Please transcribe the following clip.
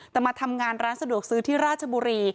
แต่มาทำงานร้านสะดวกซื้อที่ราชบุรี